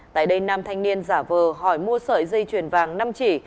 tại đây nam thanh niên giả vờ hỏi mua sợi dây chuyền vàng năm chỉ